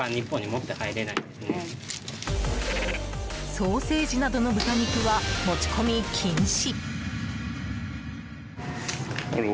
ソーセージなどの豚肉は持ち込み禁止。